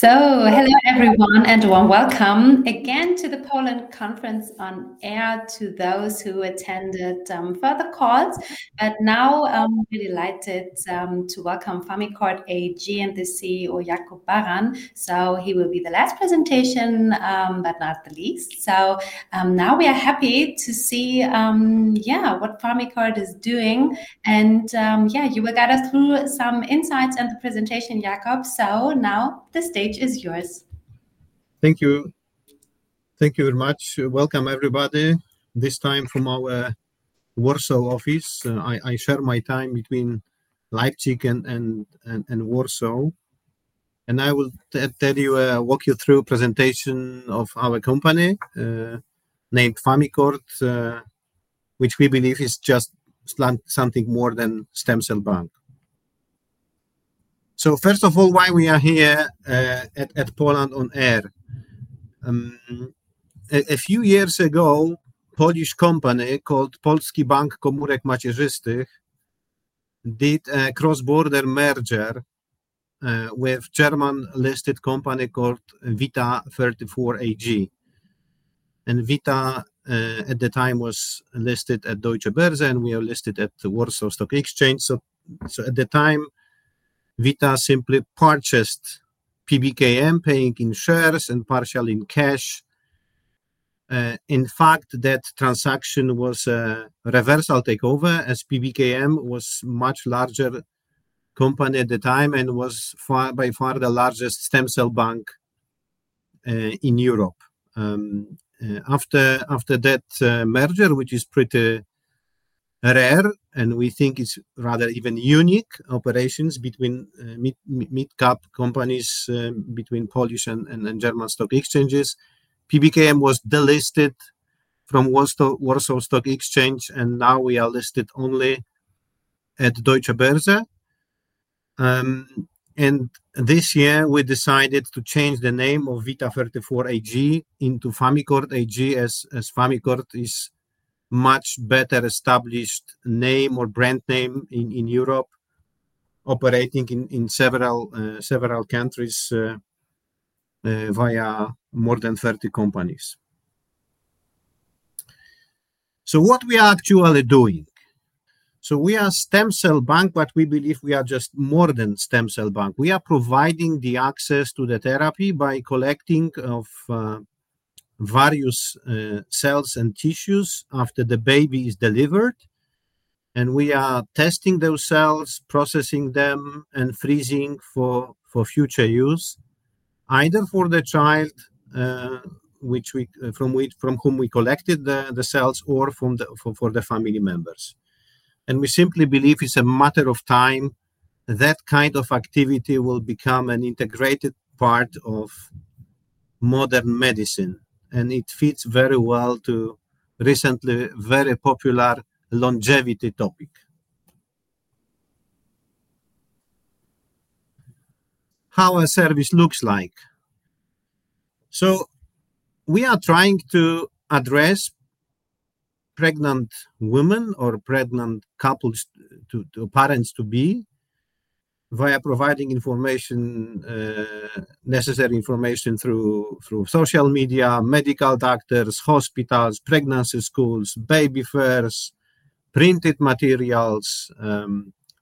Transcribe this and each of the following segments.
Hello everyone and a warm welcome again to the Poland conference on air to those who attended further calls. I'm delighted to welcome FamiCord AG and the CEO, Jakub Baran. He will be the last presentation, but not the least. We are happy to see what FamiCord is doing. You will guide us through some insights and the presentation, Jakub. The stage is yours. Thank you. Thank you very much. Welcome everybody. This time from our Warsaw office. I share my time between Leipzig and Warsaw. I will tell you, walk you through a presentation of our company named FamiCord, which we believe is just something more than a stem cell bank. First of all, why we are here at Poland on air. A few years ago, a Polish company called Polski Bank Komórek Macierzystych did a cross-border merger with a German-listed company called Vita 34 AG. Vita, at the time, was listed at Deutsche Börse and we are listed at the Warsaw Stock Exchange. At the time, Vita simply purchased PBKM, paying in shares and partially in cash. In fact, that transaction was a reversal takeover as PBKM was a much larger company at the time and was by far the largest stem cell bank in Europe. After that merger, which is pretty rare and we think is rather even unique operations between mid-cap companies between Polish and German stock exchanges, PBKM was delisted from Warsaw Stock Exchange and now we are listed only at Deutsche Börse. This year we decided to change the name of Vita 34 AG into FamiCord AG as FamiCord is a much better established name or brand name in Europe, operating in several countries via more than 30 companies. What we are actually doing? We are a stem cell bank, but we believe we are just more than a stem cell bank. We are providing the access to the therapy by collecting various cells and tissues after the baby is delivered. We are testing those cells, processing them, and freezing for future use, either for the child from whom we collected the cells or for the family members. We simply believe it's a matter of time that kind of activity will become an integrated part of modern medicine. It fits very well to a recently very popular longevity topic. How our service looks like. We are trying to address pregnant women or pregnant couples, to parents-to-be via providing information, necessary information through social media, medical doctors, hospitals, pregnancy schools, baby fairs, printed materials,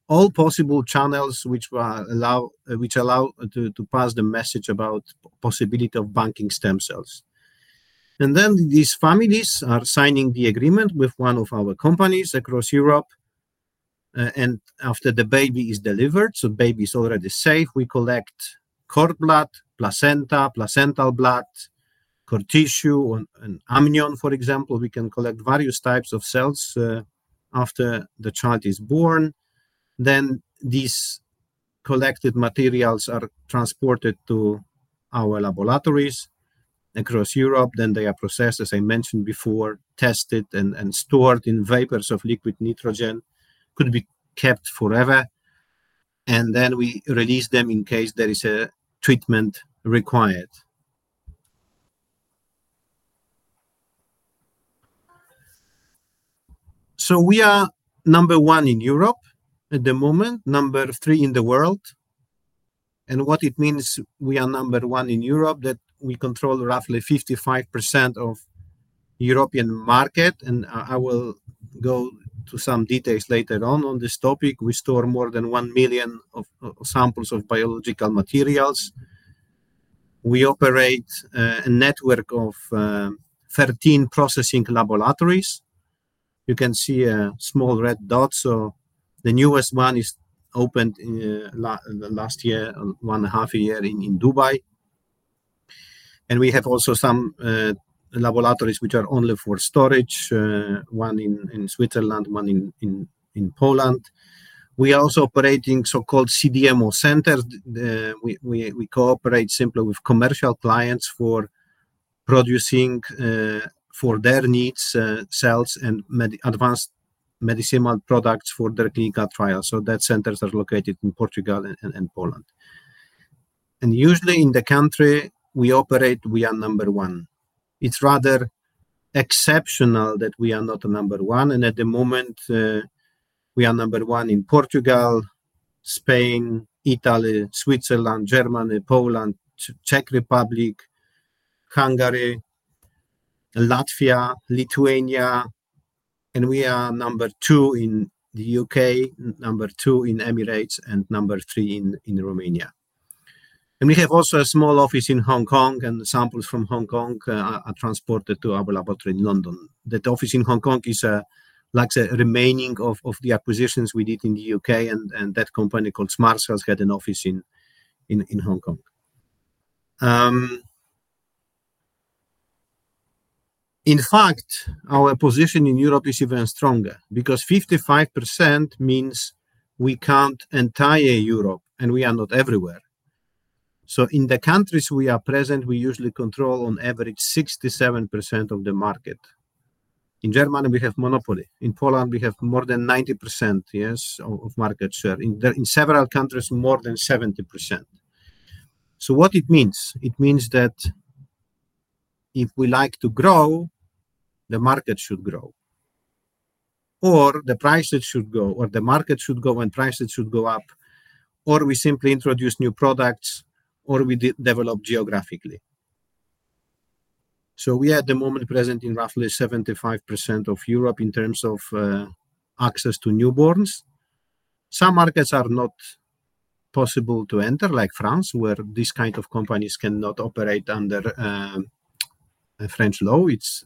all possible channels which allow to pass the message about the possibility of banking stem cells. These families are signing the agreement with one of our companies across Europe. After the baby is delivered, so the baby is already safe, we collect cord blood, placenta, placental blood, cord tissue, and amnion, for example. We can collect various types of cells after the child is born. These collected materials are transported to our laboratories across Europe. They are processed, as I mentioned before, tested, and stored in vapors of liquid nitrogen. It could be kept forever. We release them in case there is a treatment required. We are number one in Europe at the moment, number three in the world. What it means we are number one in Europe is that we control roughly 55% of the European market. I will go to some details later on this topic. We store more than one million samples of biological materials. We operate a network of 13 processing laboratories. You can see a small red dot. The newest one opened last year, one and a half years in Dubai. We have also some laboratories which are only for storage, one in Switzerland, one in Poland. We are also operating so-called CDMO centers. We cooperate simply with commercial clients for producing for their needs cells and advanced medicinal products for their clinical trials. Those centers are located in Portugal and Poland. Usually in the country we operate, we are number one. It's rather exceptional that we are not number one. At the moment, we are number one in Portugal, Spain, Italy, Switzerland, Germany, Poland, Czech Republic, Hungary, Latvia, Lithuania. We are number two in the UK, number two in the Emirates, and number three in Romania. We have also a small office in Hong Kong, and samples from Hong Kong are transported to our laboratory in London. That office in Hong Kong is like the remaining of the acquisitions we did in the UK, and that company called Smart Cells had an office in Hong Kong. In fact, our position in Europe is even stronger because 55% means we count entire Europe, and we are not everywhere. In the countries we are present, we usually control on average 67% of the market. In Germany, we have monopoly. In Poland, we have more than 90% of market share. In several countries, more than 70%. What it means, it means that if we like to grow, the market should grow, or the prices should grow, or the market should grow and prices should go up, or we simply introduce new products, or we develop geographically. We are at the moment present in roughly 75% of Europe in terms of access to newborns. Some markets are not possible to enter, like France, where these kinds of companies cannot operate under French law. It's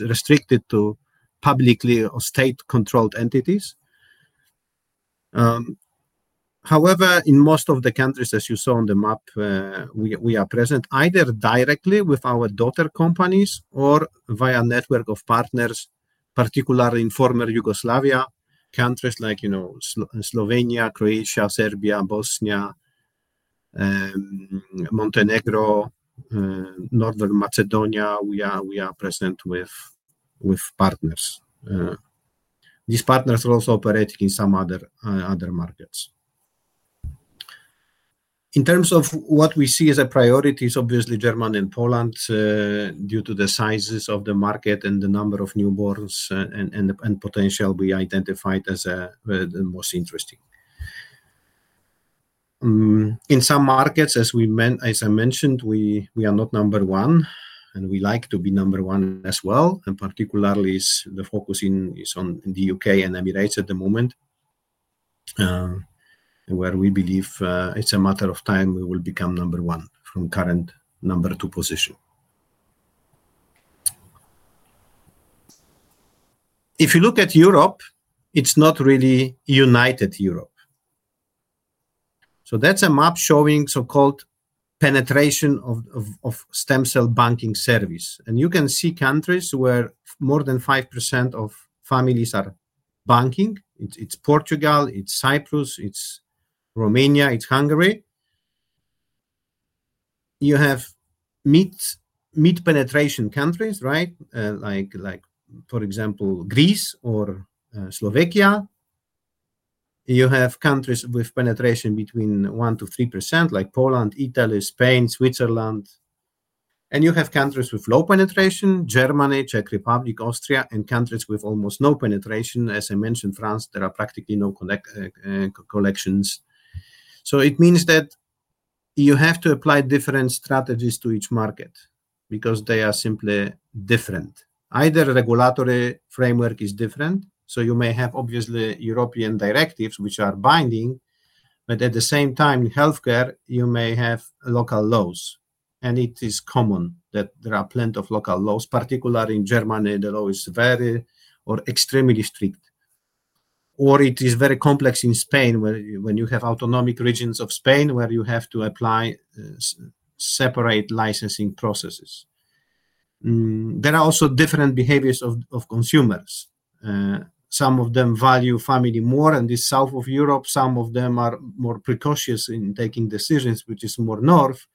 restricted to publicly or state-controlled entities. However, in most of the countries, as you saw on the map, we are present either directly with our daughter companies or via a network of partners, particularly in former Yugoslavia countries like Slovenia, Croatia, Serbia, Bosnia, Montenegro, Northern Macedonia. We are present with partners. These partners are also operating in some other markets. In terms of what we see as a priority, it's obviously Germany and Poland due to the sizes of the market and the number of newborns and potential we identified as the most interesting. In some markets, as I mentioned, we are not number one, and we like to be number one as well. Particularly, the focus is on the UK and Emirates at the moment, where we believe it's a matter of time we will become number one from the current number two position. If you look at Europe, it's not really united Europe. That's a map showing so-called penetration of stem cell banking service. You can see countries where more than 5% of families are banking. It's Portugal, it's Cyprus, it's Romania, it's Hungary. You have mid-penetration countries, right? Like, for example, Greece or Slovakia. You have countries with penetration between 1% to 3%, like Poland, Italy, Spain, Switzerland. You have countries with low penetration, Germany, Czech Republic, Austria, and countries with almost no penetration. As I mentioned, France, there are practically no collections. It means that you have to apply different strategies to each market because they are simply different. Either regulatory framework is different. You may have obviously European directives which are binding, but at the same time, in healthcare, you may have local laws. It is common that there are plenty of local laws, particularly in Germany, the law is very or extremely strict. It is very complex in Spain when you have autonomic regions of Spain where you have to apply separate licensing processes. There are also different behaviors of consumers. Some of them value family more, and this is south of Europe. Some of them are more precocious in taking decisions, which is more north.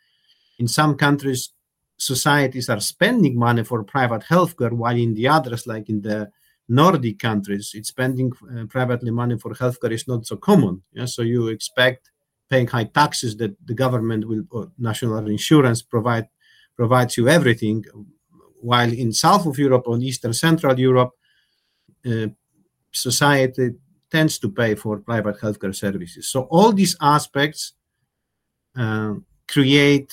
In some countries, societies are spending money for private healthcare, while in the others, like in the Nordic countries, spending privately money for healthcare is not so common. You expect paying high taxes that the government will provide national insurance, provides you everything. While in south of Europe or in eastern central Europe, society tends to pay for private healthcare services. All these aspects create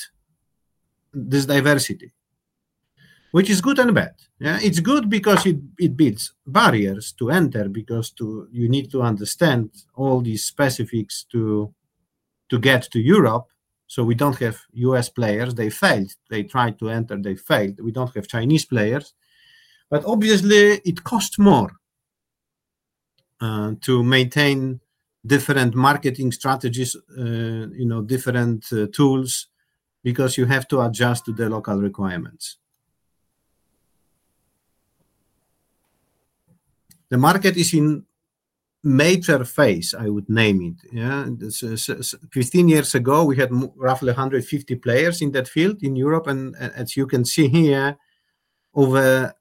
this diversity, which is good and bad. It's good because it builds barriers to enter because you need to understand all these specifics to get to Europe. We don't have U.S. players. They failed. They tried to enter. They failed. We don't have Chinese players. Obviously, it costs more to maintain different marketing strategies, different tools because you have to adjust to the local requirements. The market is in a major phase, I would name it. Fifteen years ago, we had roughly 150 players in that field in Europe. As you can see here, over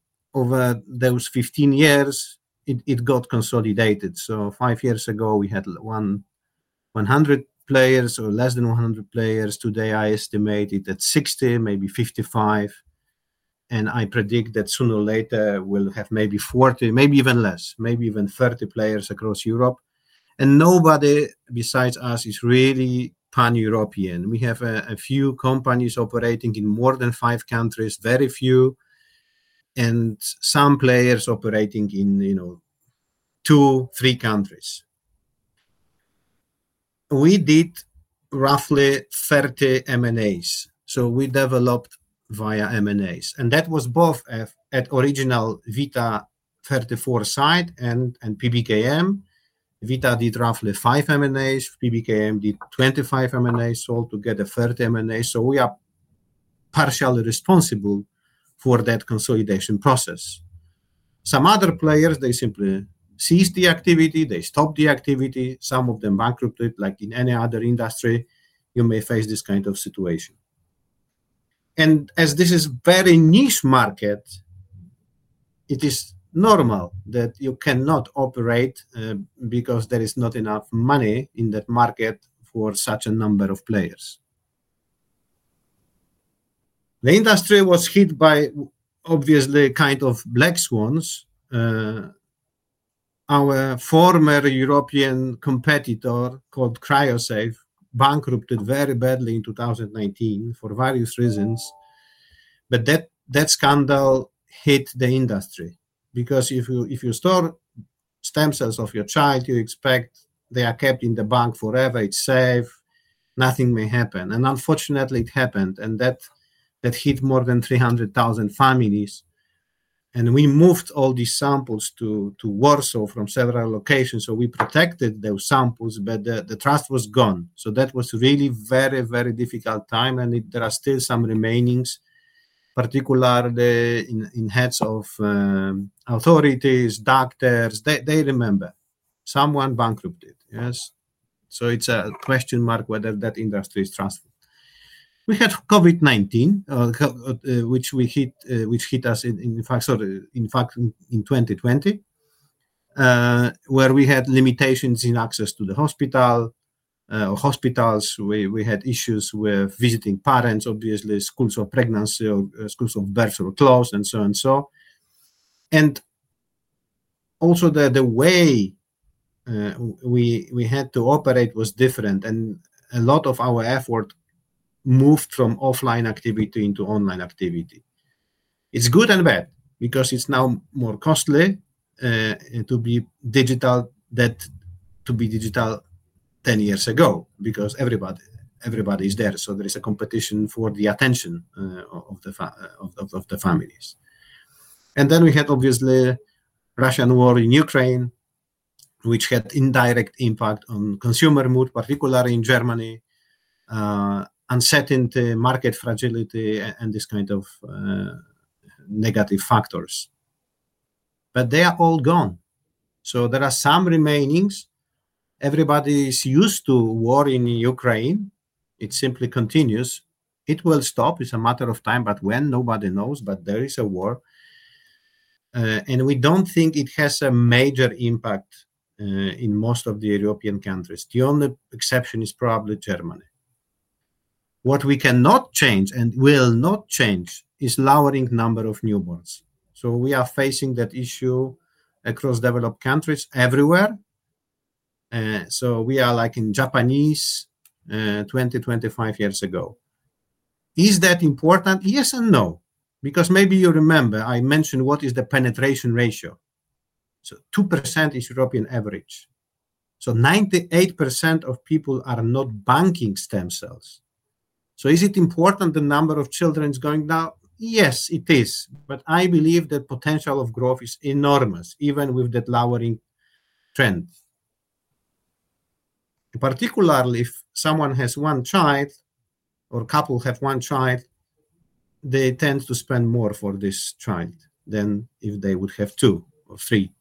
those 15 years, it got consolidated. Five years ago, we had 100 players or less than 100 players. Today, I estimate it at 60, maybe 55. I predict that sooner or later, we'll have maybe 40, maybe even less, maybe even 30 players across Europe. Nobody besides us is really pan-European. We have a few companies operating in more than five countries, very few, and some players operating in two, three countries. We did roughly 30 M&A activity. We developed via M&A activity. That was both at the original Vita 34 site and PBKM. Vita did roughly five M&A activity. PBKM did 25 M&A activity, so altogether 30 M&A activity. We are partially responsible for that consolidation process. Some other players simply ceased the activity. They stopped the activity. Some of them bankrupted, like in any other industry, you may face this kind of situation. As this is a very niche market, it is normal that you cannot operate because there is not enough money in that market for such a number of players. The industry was hit by, obviously, kind of black swans. Our former European competitor called Cryosafe bankrupted very badly in 2019 for various reasons. That scandal hit the industry because if you store stem cells of your child, you expect they are kept in the bank forever. It's safe. Nothing may happen. Unfortunately, it happened. That hit more than 300,000 families. We moved all these samples to Warsaw from several locations. We protected those samples, but the trust was gone. That was really a very, very difficult time. There are still some remains, particularly in heads of authorities, doctors. They remember someone bankrupted. Yes. It's a question mark whether that industry is trusted. We had COVID-19, which hit us, in fact, in 2020, where we had limitations in access to the hospital or hospitals. We had issues with visiting parents, obviously. Schools of pregnancy or schools of birth were closed and so on. Also, the way we had to operate was different. A lot of our effort moved from offline activity into online activity. It's good and bad because it's now more costly to be digital than to be digital 10 years ago because everybody is there. There is a competition for the attention of the families. We had, obviously, the Russian war in Ukraine, which had an indirect impact on consumer mood, particularly in Germany, uncertainty, market fragility, and this kind of negative factors. They are all gone. There are some remains. Everybody is used to war in Ukraine. It simply continues. It will stop. It's a matter of time, but when? Nobody knows. There is a war. We don't think it has a major impact in most of the European countries. The only exception is probably Germany. What we cannot change and will not change is the lowering number of newborns. We are facing that issue across developed countries everywhere. We are like in Japanese 20, 25 years ago. Is that important? Yes and no. Maybe you remember I mentioned what is the penetration ratio. 2% is the European average. 98% of people are not banking stem cells. Is it important the number of children is going down? Yes, it is. I believe that the potential of growth is enormous, even with that lowering trend. Particularly if someone has one child or a couple has one child, they tend to spend more for this child than if they would have two or three.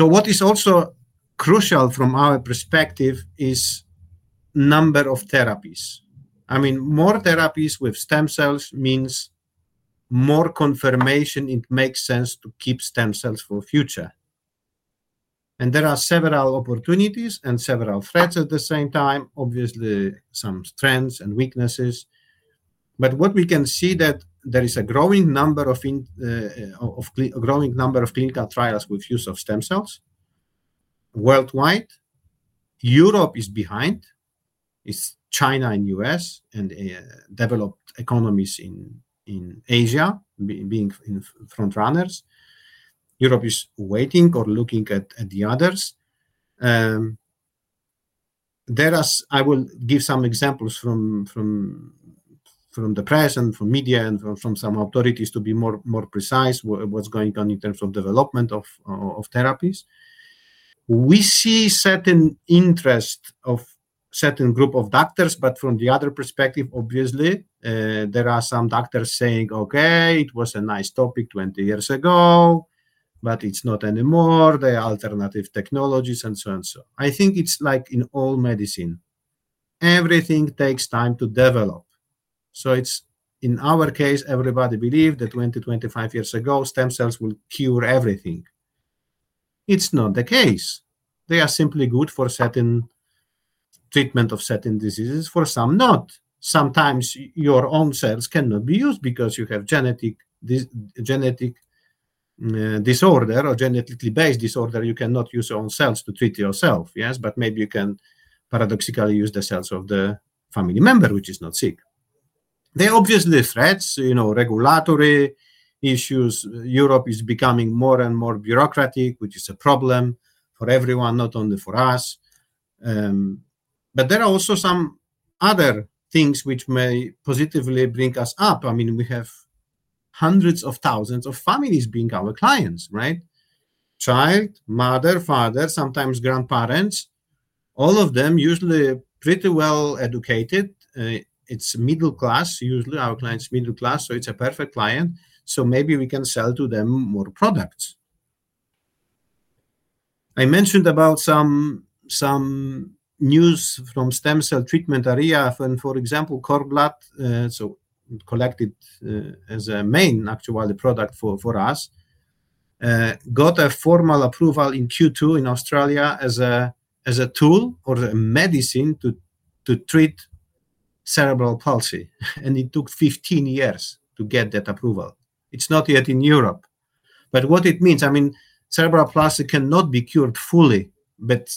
What is also crucial from our perspective is the number of therapies. I mean, more therapies with stem cells means more confirmation it makes sense to keep stem cells for the future. There are several opportunities and several threats at the same time, obviously some strengths and weaknesses. What we can see is that there is a growing number of clinical trials with the use of stem cells worldwide. Europe is behind. It's China and the U.S. and developed economies in Asia being front runners. Europe is waiting or looking at the others. I will give some examples from the press and from media and from some authorities to be more precise about what's going on in terms of the development of therapies. We see a certain interest of a certain group of doctors, but from the other perspective, obviously, there are some doctors saying, "Okay, it was a nice topic 20 years ago, but it's not anymore. There are alternative technologies and so on and so." I think it's like in all medicine. Everything takes time to develop. In our case, everybody believed that 20, 25 years ago, stem cells would cure everything. It's not the case. They are simply good for certain treatments of certain diseases, for some not. Sometimes your own cells cannot be used because you have a genetic disorder or a genetically based disorder. You cannot use your own cells to treat yourself. Yes, but maybe you can paradoxically use the cells of the family member, which is not sick. There are obviously threats, you know, regulatory issues. Europe is becoming more and more bureaucratic, which is a problem for everyone, not only for us. There are also some other things which may positively bring us up. We have hundreds of thousands of families being our clients, right? Child, mother, father, sometimes grandparents, all of them usually pretty well educated. It's middle class. Usually, our clients are middle class, so it's a perfect client. Maybe we can sell to them more products. I mentioned about some news from the stem cell treatment area when, for example, cord blood, so collected as a main actual product for us, got a formal approval in Q2 in Australia as a tool or a medicine to treat cerebral palsy. It took 15 years to get that approval. It's not yet in Europe. What it means, I mean, cerebral palsy cannot be cured fully, but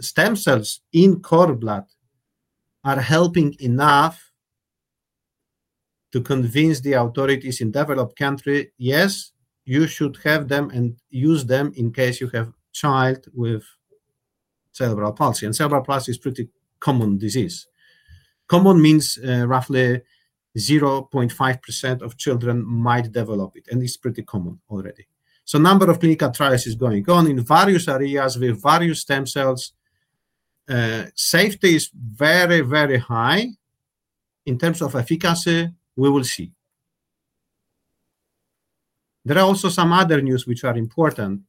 stem cells in cord blood are helping enough to convince the authorities in developed countries, yes, you should have them and use them in case you have a child with cerebral palsy. Cerebral palsy is a pretty common disease. Common means roughly 0.5% of children might develop it, and it's pretty common already. A number of clinical trials is going on in various areas with various stem cells. Safety is very, very high. In terms of efficacy, we will see. There are also some other news which are important.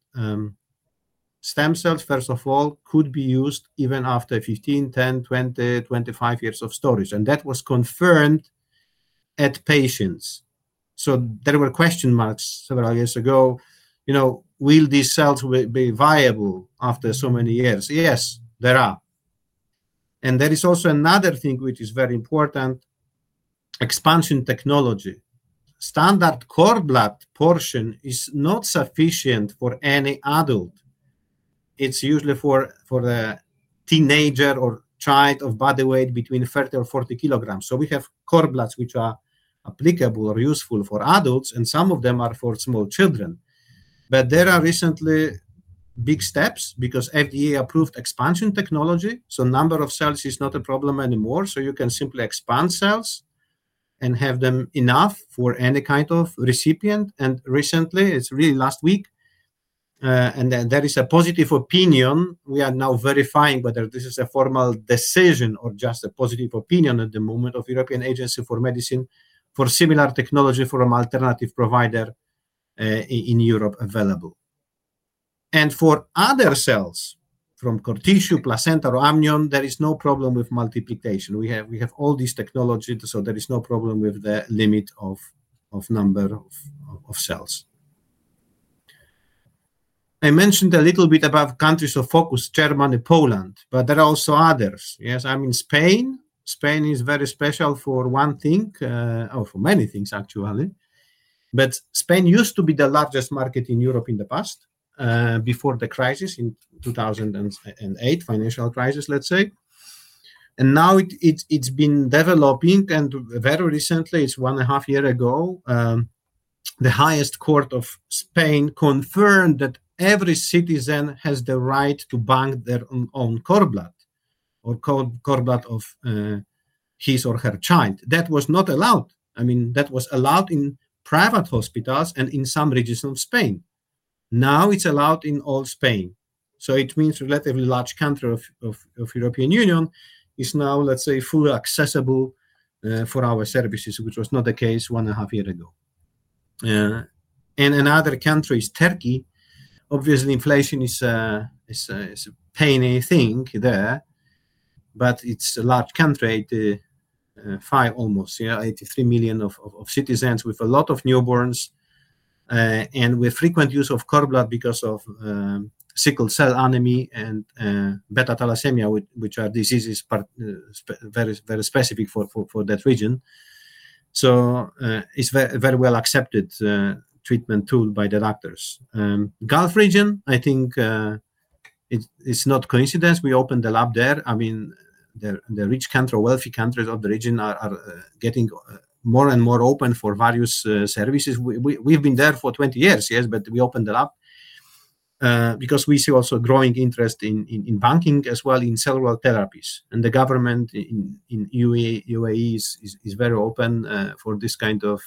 Stem cells, first of all, could be used even after 15, 10, 20, 25 years of storage. That was confirmed at patients. There were question marks several years ago. You know, will these cells be viable after so many years? Yes, there are. There is also another thing which is very important: expansion technology. Standard cord blood portion is not sufficient for any adult. It's usually for the teenager or child of body weight between 30 or 40 kilograms. We have cord bloods which are applicable or useful for adults, and some of them are for small children. There are recently big steps because FDA-approved expansion technology. A number of cells is not a problem anymore. You can simply expand cells and have them enough for any kind of recipient. Recently, it's really last week, and there is a positive opinion. We are now verifying whether this is a formal decision or just a positive opinion at the moment of the European Agency for Medicine for similar technology from an alternative provider in Europe available. For other cells from cord tissue, placenta, or amnion, there is no problem with multiplication. We have all these technologies, so there is no problem with the limit of number of cells. I mentioned a little bit about countries of focus, Germany and Poland, but there are also others. I mean, Spain. Spain is very special for one thing, or for many things, actually. Spain used to be the largest market in Europe in the past, before the crisis in 2008, the financial crisis, let's say. Now it's been developing, and very recently, it's one and a half years ago, the highest court of Spain confirmed that every citizen has the right to bank their own cord blood or cord blood of his or her child. That was allowed in private hospitals and in some regions of Spain. Now it's allowed in all Spain. It means a relatively large country of the European Union is now, let's say, fully accessible for our services, which was not the case one and a half years ago. Another country is Turkey. Obviously, inflation is a pain in the thing there, but it's a large country, 85, almost, yeah, 83 million of citizens with a lot of newborns, and with frequent use of cord blood because of sickle cell anemia and beta thalassemia, which are diseases very specific for that region. It's a very well-accepted treatment tool by the doctors. Gulf region, I think it's not a coincidence. We opened the lab there. The rich country, wealthy countries of the region are getting more and more open for various services. We've been there for 20 years, but we opened the lab because we see also growing interest in banking as well in several therapies. The government in UAE is very open for this kind of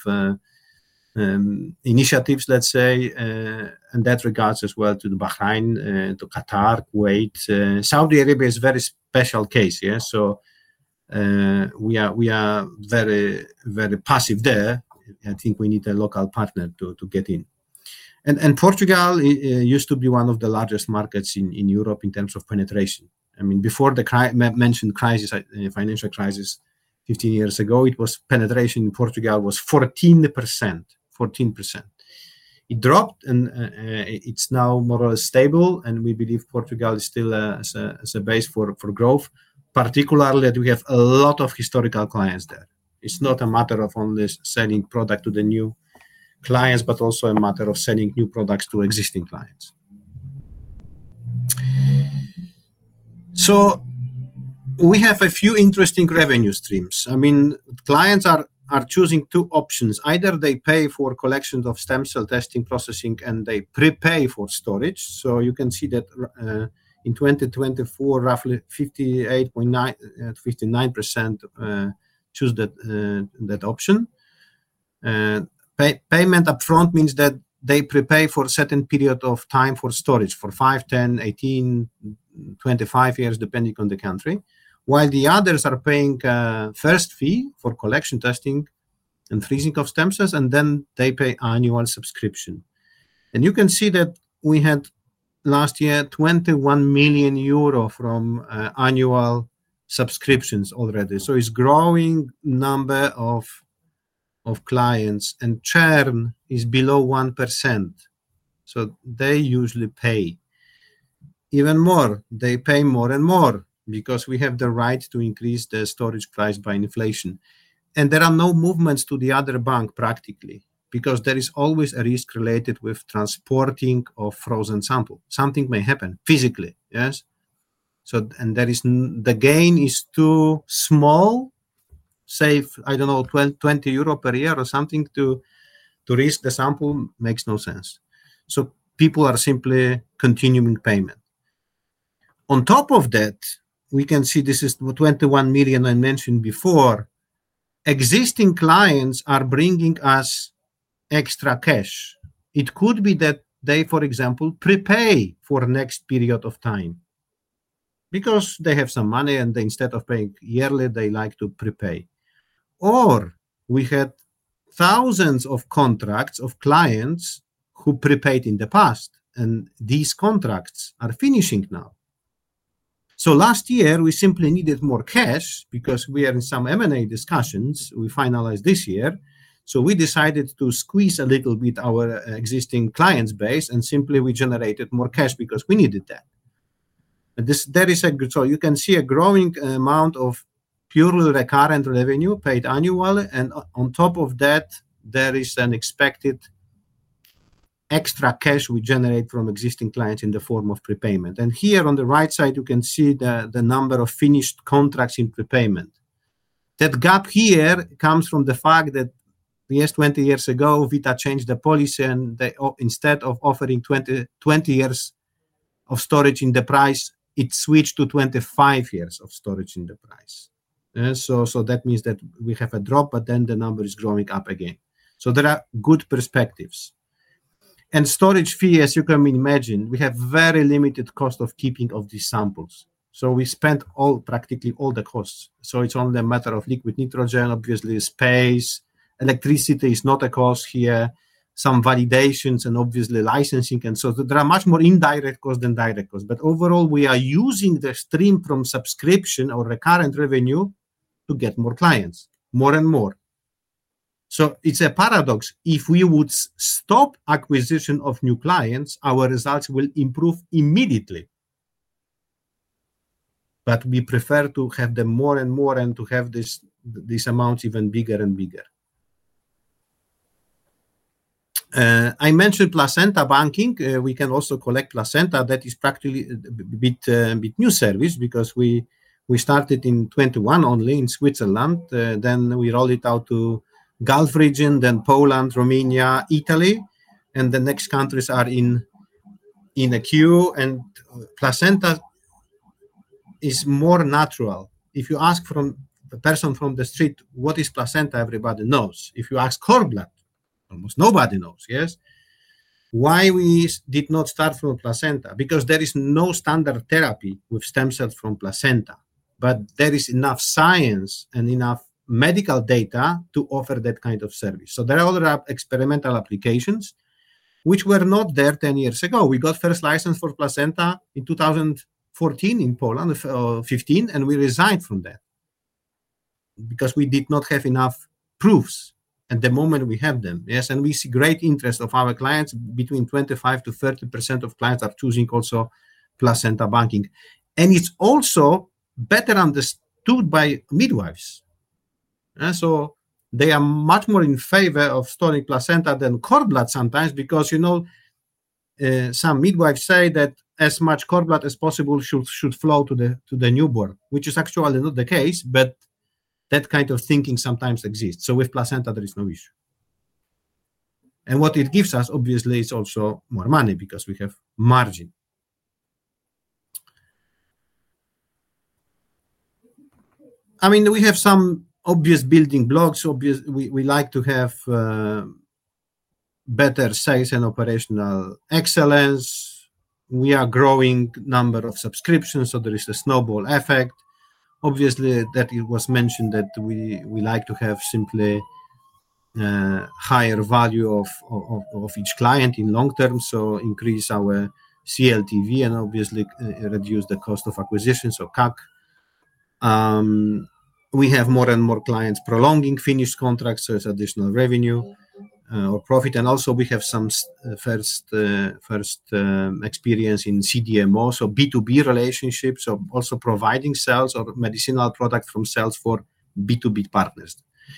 initiatives, let's say, and that regards as well to Bahrain, to Qatar, Kuwait. Saudi Arabia is a very special case, yes. We are very, very passive there. I think we need a local partner to get in. Portugal used to be one of the largest markets in Europe in terms of penetration. I mean, before the mentioned financial crisis 15 years ago, penetration in Portugal was 14%. It dropped, and it's now more or less stable. We believe Portugal is still a base for growth, particularly that we have a lot of historical clients there. It's not a matter of only selling products to the new clients, but also a matter of selling new products to existing clients. We have a few interesting revenue streams. Clients are choosing two options. Either they pay for collection of stem cell testing, processing, and they prepay for storage. You can see that in 2024, roughly 58.9% choose that option. Payment upfront means that they prepay for a certain period of time for storage, for 5, 10, 18, 25 years, depending on the country, while the others are paying a first fee for collection, testing, and freezing of stem cells, and then they pay annual subscription. You can see that we had last year €21 million from annual subscriptions already. It's a growing number of clients, and churn is below 1%. They usually pay even more. They pay more and more because we have the right to increase the storage price by inflation. There are no movements to the other bank practically because there is always a risk related with transporting a frozen sample. Something may happen physically, yes. The gain is too small. Say, I don't know, €20 per year or something to risk the sample makes no sense. People are simply continuing payment. On top of that, we can see this is €21 million I mentioned before. Existing clients are bringing us extra cash. It could be that they, for example, prepay for the next period of time because they have some money, and instead of paying yearly, they like to prepay. Or we had thousands of contracts of clients who prepaid in the past, and these contracts are finishing now. Last year, we simply needed more cash because we are in some M&A discussions we finalized this year. We decided to squeeze a little bit our existing clients' base and simply we generated more cash because we needed that. You can see a growing amount of purely recurrent revenue paid annually. On top of that, there is an expected extra cash we generate from existing clients in the form of prepayment. Here on the right side, you can see the number of finished contracts in prepayment. That gap here comes from the fact that, yes, 20 years ago, Vita changed the policy, and instead of offering 20 years of storage in the price, it switched to 25 years of storage in the price. That means that we have a drop, but then the number is growing up again. There are good perspectives. Storage fee, as you can imagine, we have very limited cost of keeping of these samples. We spend practically all the costs. It's only a matter of liquid nitrogen, obviously, space. Electricity is not a cost here. Some validations and obviously licensing. There are much more indirect costs than direct costs. Overall, we are using the stream from subscription or recurrent revenue to get more clients, more and more. It's a paradox. If we would stop acquisition of new clients, our results will improve immediately. We prefer to have them more and more and to have these amounts even bigger and bigger. I mentioned placenta banking. We can also collect placenta. That is practically a bit new service because we started in 2021 only in Switzerland. We rolled it out to the Gulf region, then Poland, Romania, Italy. The next countries are in a queue. Placenta is more natural. If you ask a person from the street, what is placenta? Everybody knows. If you ask cord blood, almost nobody knows. Yes. Why we did not start from placenta? There is no standard therapy with stem cells from placenta. There is enough science and enough medical data to offer that kind of service. There are other experimental applications which were not there 10 years ago. We got first license for placenta in 2014 in Poland, or 2015, and we resigned from that because we did not have enough proofs at the moment we had them. Yes. We see great interest of our clients. Between 25% to 30% of clients are choosing also placenta banking. It's also better understood by midwives. They are much more in favor of storing placenta than cord blood sometimes because, you know, some midwives say that as much cord blood as possible should flow to the newborn, which is actually not the case, but that kind of thinking sometimes exists. With placenta, there is no issue. What it gives us, obviously, is also more money because we have margin. I mean, we have some obvious building blocks. We like to have better sales and operational excellence. We are growing the number of subscriptions, so there is a snowball effect. It was mentioned that we like to have simply a higher value of each client in the long term, so increase our CLTV and obviously reduce the cost of acquisition, so CAC. We have more and more clients prolonging finished contracts, so it's additional revenue or profit. We have some first experience in CDMO, so B2B relationships, also providing cells or medicinal products from cells for B2B partners.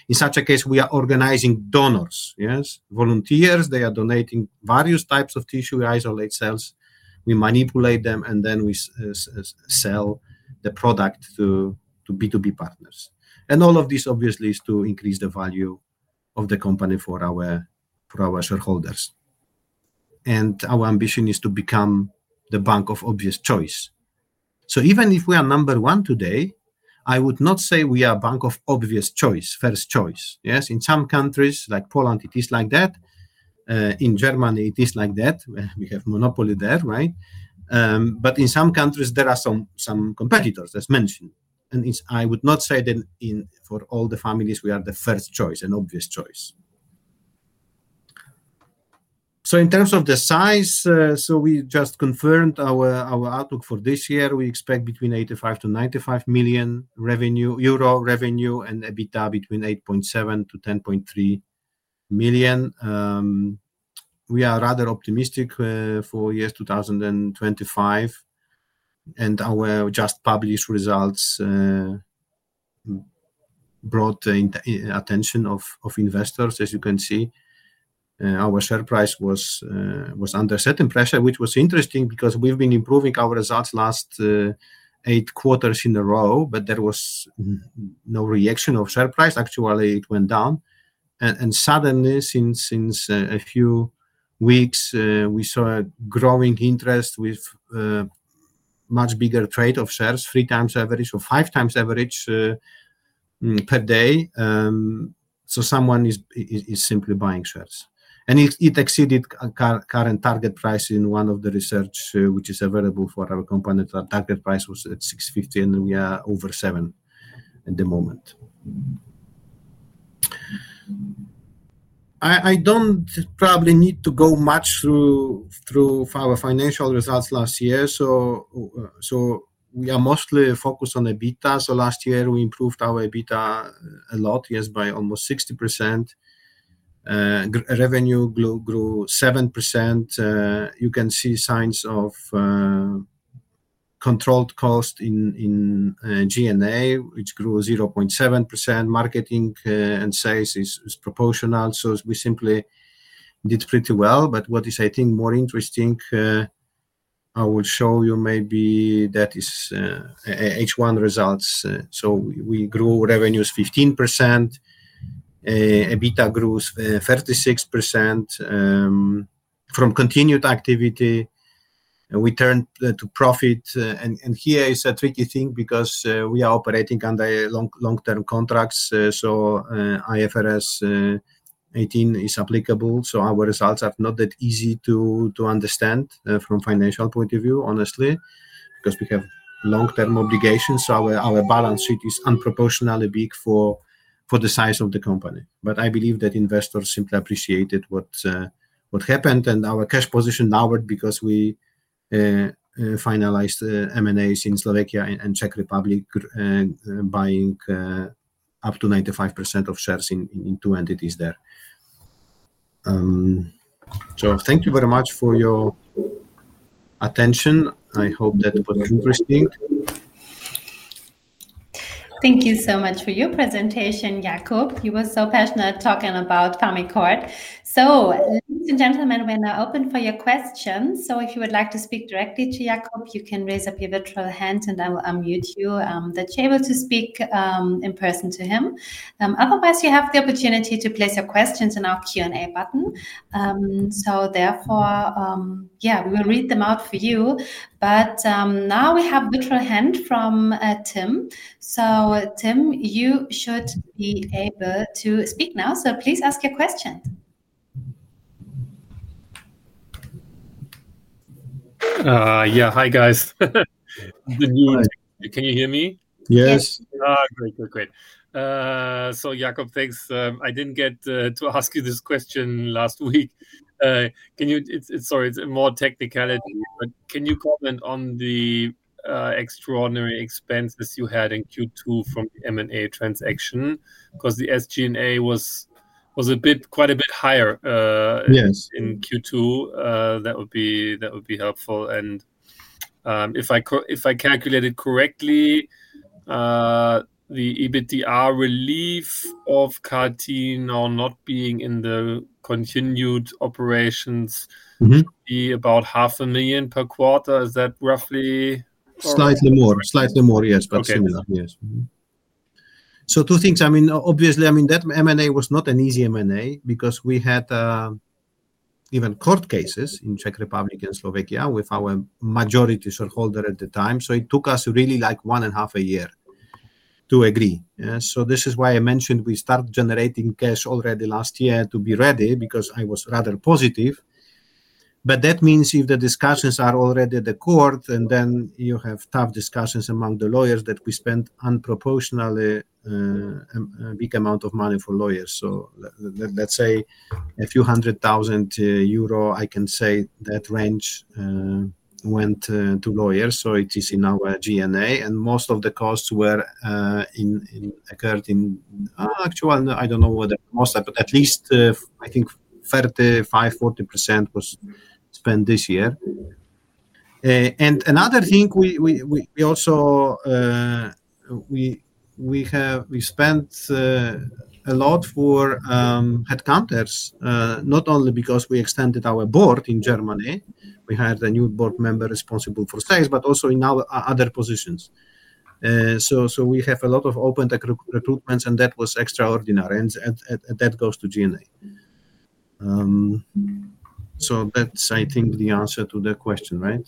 In such a case, we are organizing donors, yes, volunteers. They are donating various types of tissue. We isolate cells, we manipulate them, and then we sell the product to B2B partners. All of this, obviously, is to increase the value of the company for our shareholders. Our ambition is to become the bank of obvious choice. Even if we are number one today, I would not say we are a bank of obvious choice, first choice. Yes, in some countries, like Poland, it is like that. In Germany, it is like that. We have monopoly there, right? In some countries, there are some competitors, as mentioned. I would not say that for all the families, we are the first choice, an obvious choice. In terms of the size, we just confirmed our outlook for this year. We expect between €85 million to €95 million revenue and EBITDA between €8.7 million to €10.3 million. We are rather optimistic for the year 2025. Our just published results brought the attention of investors, as you can see. Our share price was under certain pressure, which was interesting because we've been improving our results last eight quarters in a row, but there was no reaction of share price. Actually, it went down. Suddenly, since a few weeks, we saw a growing interest with a much bigger trade of shares, three times average or five times average per day. Someone is simply buying shares. It exceeded the current target price in one of the research which is available for our companies. Our target price was at 650, and we are over 700 at the moment. I don't probably need to go much through our financial results last year. We are mostly focused on EBITDA. Last year, we improved our EBITDA a lot, by almost 60%. Revenue grew 7%. You can see signs of controlled cost in G&A, which grew 0.7%. Marketing and sales are proportional. We simply did pretty well. What is, I think, more interesting, I will show you maybe that is H1 results. We grew revenues 15%. EBITDA grew 36% from continued activity. We turned to profit. Here is a tricky thing because we are operating under long-term contracts. IFRS 18 is applicable. Our results are not that easy to understand from a financial point of view, honestly, because we have long-term obligations. Our balance sheet is unproportionately big for the size of the company. I believe that investors simply appreciated what happened. Our cash position lowered because we finalized M&A activity in Slovakia and Czech Republic, buying up to 95% of shares in two entities there. Thank you very much for your attention. I hope that was interesting. Thank you so much for your presentation, Jakub. You were so passionate talking about FamiCord. Ladies and gentlemen, we're now open for your questions. If you would like to speak directly to Jakub, you can raise up your virtual hand, and I will unmute you so that you're able to speak in person to him. Otherwise, you have the opportunity to place your questions in our Q&A button. We will read them out for you. We have a virtual hand from Tim. Tim, you should be able to speak now. Please ask your question. Hi, guys. Can you hear me? Yes. Great, great, great. Jakub, thanks. I didn't get to ask you this question last week. Sorry, it's more technical. Can you comment on the extraordinary expenses you had in Q2 from M&A activity? The SG&A was quite a bit higher in Q2. That would be helpful. If I calculated correctly, the EBITDA relief of CAR-T now not being in the continued operations should be about $0.5 million per quarter. Is that roughly? Slightly more. Slightly more, yes, but similar. Yes. Two things. Obviously, that M&A was not an easy M&A because we had even court cases in the Czech Republic and Slovakia with our majority shareholder at the time. It took us really like one and a half years to agree. This is why I mentioned we started generating cash already last year to be ready because I was rather positive. That means if the discussions are already at the court, then you have tough discussions among the lawyers. We spent a disproportionately big amount of money for lawyers. Let's say a few hundred thousand euros, I can say that range went to lawyers. It is in our G&A. Most of the costs were incurred in actual, I don't know what the most, but at least I think 35%, 40% was spent this year. Another thing, we also spent a lot for headcounters not only because we extended our Board in Germany. We hired a new Board Member responsible for Sales, but also in other positions. We have a lot of open recruitments, and that was extraordinary. That goes to G&A. I think that's the answer to the question, right?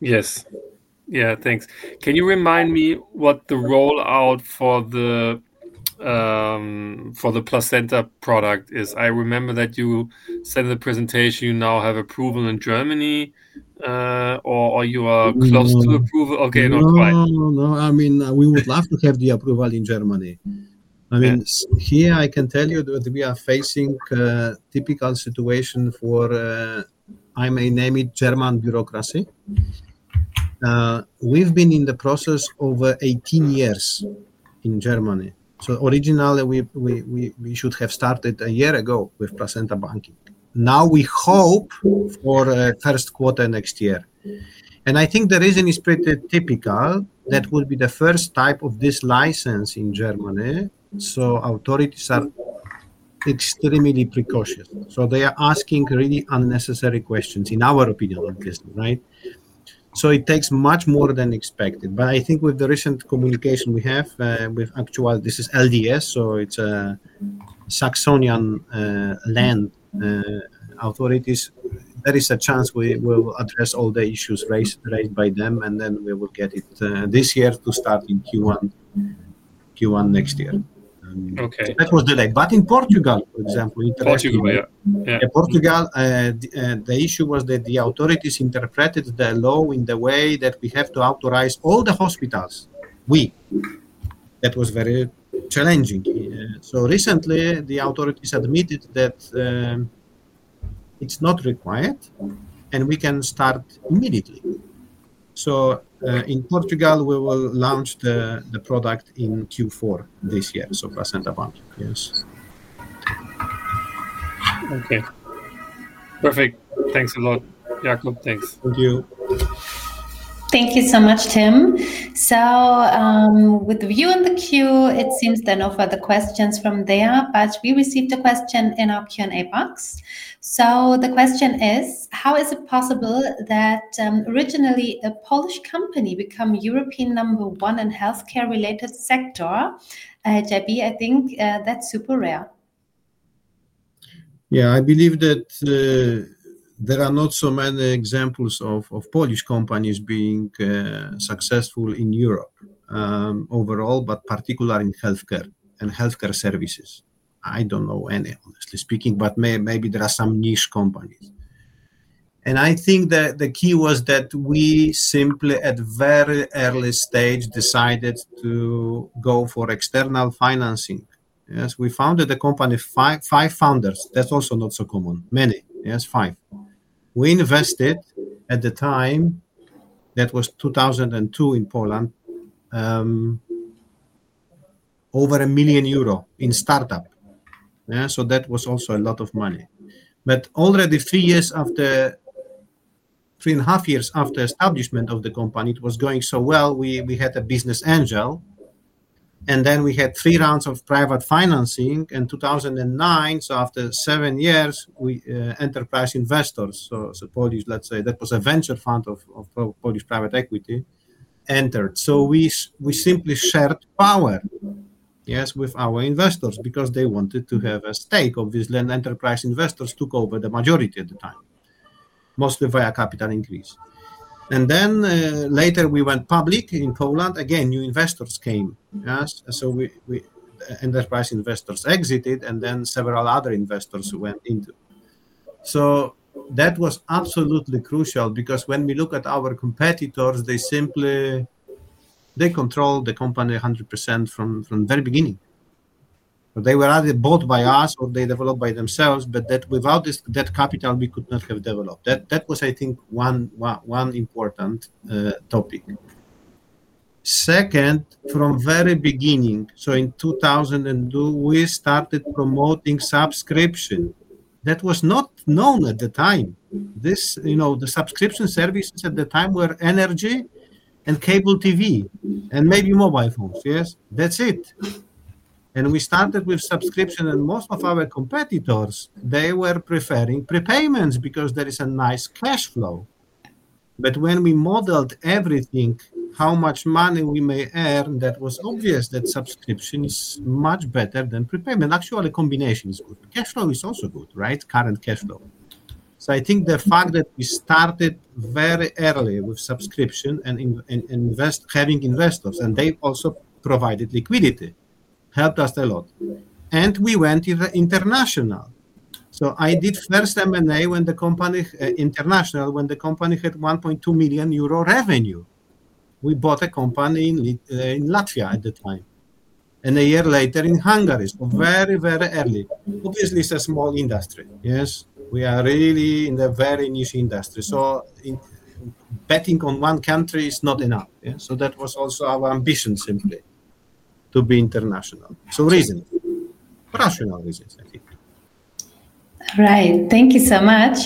Yes, thanks. Can you remind me what the rollout for the placenta banking product is? I remember that you said in the presentation you now have approval in Germany, or you are close to approval. Okay, not quite. I mean, we would love to have the approval in Germany. I mean, here I can tell you that we are facing a typical situation for, I may name it, German bureaucracy. We've been in the process over 18 years in Germany. Originally, we should have started a year ago with placenta banking. Now we hope for the first quarter next year. I think the reason is pretty typical. That would be the first type of this license in Germany. Authorities are extremely precocious. They are asking really unnecessary questions, in our opinion, obviously, right? It takes much more than expected. I think with the recent communication we have with actual, this is LDS, so it's Saxonian land authorities, there is a chance we will address all the issues raised by them, and then we will get it this year to start in Q1 next year. That was delayed. In Portugal, for example, the issue was that the authorities interpreted the law in the way that we have to authorize all the hospitals. That was very challenging. Recently, the authorities admitted that it's not required, and we can start immediately. In Portugal, we will launch the product in Q4 this year, so placenta banking. Yes. Okay. Perfect. Thanks a lot, Jakub. Thanks. Thank you. Thank you so much, Tim. With the view in the queue, it seems there are no further questions from there, but we received a question in our Q&A box. The question is, how is it possible that originally a Polish company becomes European number one in the healthcare-related sector? I think that's super rare. Yeah, I believe that there are not so many examples of Polish companies being successful in Europe overall, but particularly in healthcare and healthcare services. I don't know any, honestly speaking, but maybe there are some niche companies. I think the key was that we simply, at a very early stage, decided to go for external financing. We founded the company, five founders. That's also not so common. Yes, five. We invested at the time, that was 2002 in Poland, over €1 million in startup. That was also a lot of money. Already three years after, three and a half years after the establishment of the company, it was going so well. We had a business angel, and then we had three rounds of private financing in 2009. After seven years, enterprise investors, so Polish, let's say, that was a venture fund of Polish private equity entered. We simply shared power, yes, with our investors because they wanted to have a stake, obviously, and enterprise investors took over the majority at the time, mostly via capital increase. Later, we went public in Poland. Again, new investors came. Yes. Enterprise investors exited, and then several other investors went into it. That was absolutely crucial because when we look at our competitors, they simply control the company 100% from the very beginning. They were either bought by us or they developed by themselves, but without that capital, we could not have developed. That was, I think, one important topic. Second, from the very beginning, so in 2002, we started promoting subscription. That was not known at the time. The subscription services at the time were energy and cable TV and maybe mobile phones. Yes, that's it. We started with subscription, and most of our competitors, they were preferring prepayments because there is a nice cash flow. When we modeled everything, how much money we may earn, that was obvious that subscription is much better than prepayment. Actually, a combination is good. Cash flow is also good, right? Current cash flow. I think the fact that we started very early with subscription and having investors, and they also provided liquidity, helped us a lot. We went international. I did first M&A when the company had €1.2 million revenue. We bought a company in Latvia at the time, and a year later in Hungary, so very, very early. Obviously, it's a small industry. Yes, we are really in a very niche industry. Betting on one country is not enough. That was also our ambition simply to be international. Reasonable, rational reasons, I think. Thank you so much.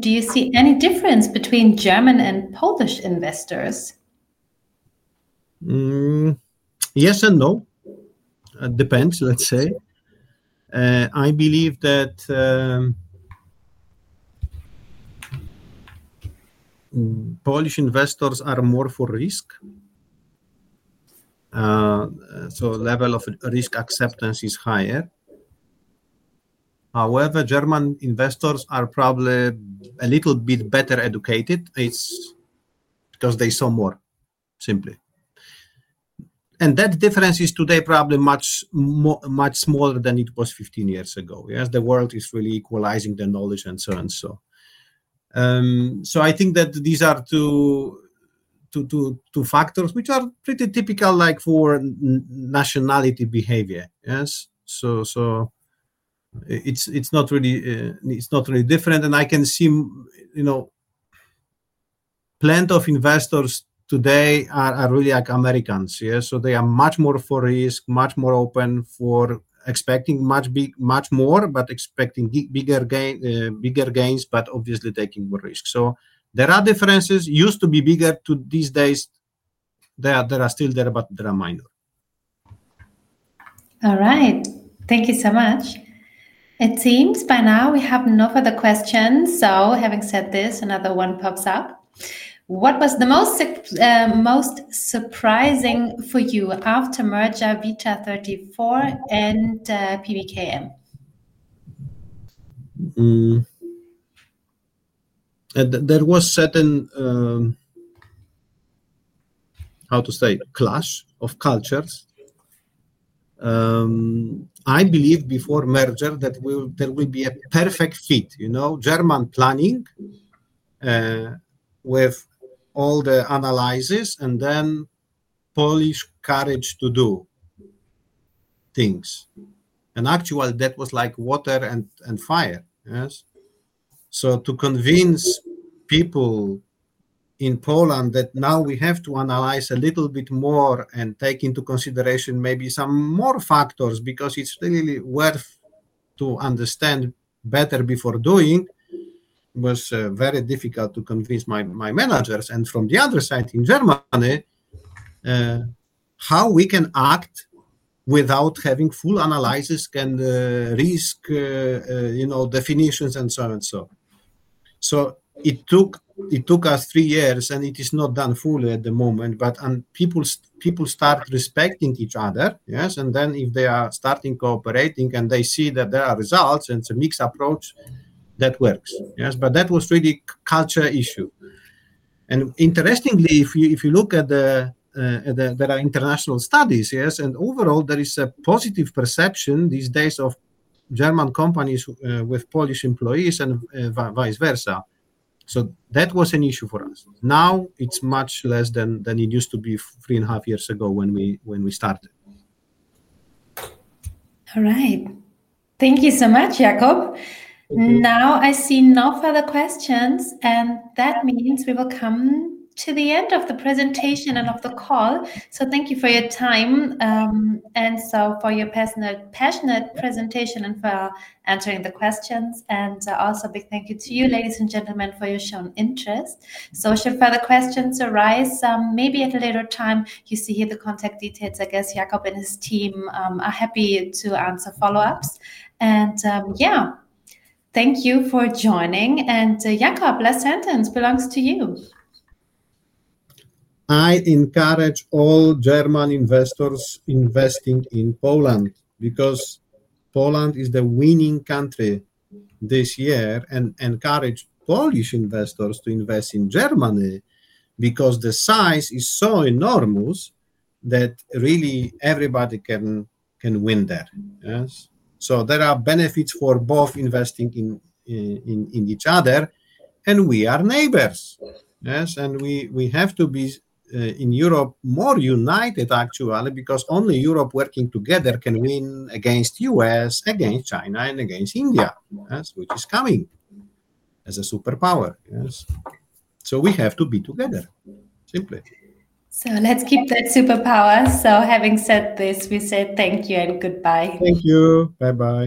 Do you see any difference between German and Polish investors? Yes and no. It depends, let's say. I believe that Polish investors are more for risk, so the level of risk acceptance is higher. However, German investors are probably a little bit better educated because they saw more simply. That difference is today probably much smaller than it was 15 years ago. The world is really equalizing the knowledge and so on. I think that these are two factors which are pretty typical, like for nationality behavior. It's not really different. I can see, you know, plenty of investors today are really like Americans. They are much more for risk, much more open for expecting much more, but expecting bigger gains, but obviously taking more risk. There are differences. It used to be bigger. These days, they are still there, but they are minor. All right. Thank you so much. It seems by now we have no further questions. Having said this, another one pops up. What was the most surprising for you after merger Vita 34 and PBKM? There was a certain, how to say, clash of cultures. I believed before merger that there would be a perfect fit, you know, German planning with all the analysis and then Polish courage to do things. Actually, that was like water and fire. Yes, to convince people in Poland that now we have to analyze a little bit more and take into consideration maybe some more factors because it's really worth to understand better before doing was very difficult to convince my managers. From the other side, in Germany, how can we act without having full analysis and risk definitions and so on? It took us three years, and it is not done fully at the moment, but people start respecting each other. Yes, if they are starting cooperating and they see that there are results and it's a mixed approach, that works. Yes, that was really a culture issue. Interestingly, if you look at the, there are international studies, yes, and overall, there is a positive perception these days of German companies with Polish employees and vice versa. That was an issue for us. Now it's much less than it used to be three and a half years ago when we started. All right. Thank you so much, Jakub. I see no further questions, and that means we will come to the end of the presentation and of the call. Thank you for your time, for your passionate presentation, and for answering the questions. Also, a big thank you to you, ladies and gentlemen, for your shown interest. Should further questions arise, maybe at a later time, you see here the contact details. I guess Jakub and his team are happy to answer follow-ups. Thank you for joining. Jakub, last sentence belongs to you. I encourage all German investors investing in Poland because Poland is the winning country this year and encourage Polish investors to invest in Germany because the size is so enormous that really everybody can win there. There are benefits for both investing in each other, and we are neighbors. We have to be in Europe more united, actually, because only Europe working together can win against the U.S., against China, and against India, which is coming as a superpower. We have to be together, simply. Let's keep that superpower. Having said this, we say thank you and goodbye. Thank you. Bye-bye.